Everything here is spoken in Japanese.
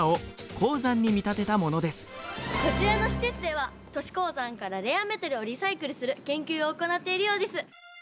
こちらの施設では都市鉱山からレアメタルをリサイクルする研究を行っているようです。